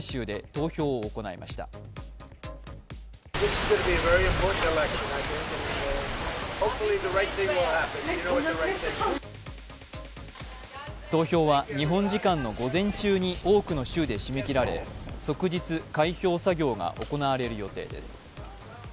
投票は日本時間の午前中に多くの州で締め切られ、即日開票作業が行われる予定です。